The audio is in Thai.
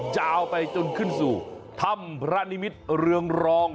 ยาวไปจนขึ้นสู่ธรรมพระนิมิติรวงรอง